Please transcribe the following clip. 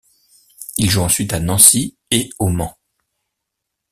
Il joue ensuite à Nancy et au Mans.